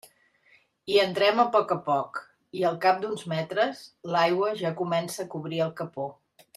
Hi entrem a poc a poc, i al cap d'uns metres l'aigua ja comença a cobrir el capó.